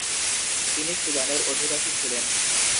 তিনি সুদানের অধিবাসী ছিলেন।